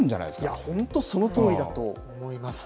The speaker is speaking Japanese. いや、本当そのとおりだと思います。